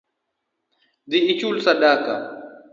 Dhii ichul sadaka